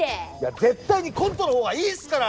絶対にコントの方がいいですから！